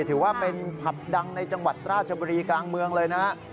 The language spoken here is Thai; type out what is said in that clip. ถือว่าเป็นผับดังในจังหวัดราชบุรีกลางเมืองเลยนะฮะ